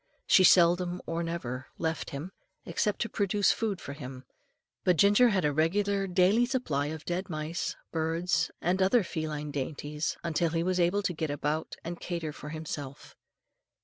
She seldom or never left him, except to procure food for him; but Ginger had a regular daily supply of dead mice, birds, and other feline dainties, until he was able to get about and cater for himself.